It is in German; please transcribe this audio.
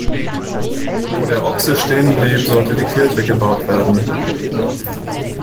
Wo der Ochse stehenblieb sollte die Kirche gebaut werden.